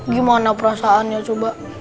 gimana perasaannya coba